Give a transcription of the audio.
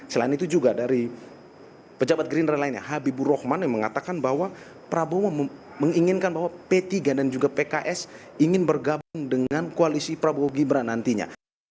selain itu juga dari pejabat gerindra lainnya habibur rahman yang mengatakan bahwa prabowo menginginkan bahwa p tiga dan juga pks ingin bergabung dengan koalisi prabowo gibran nantinya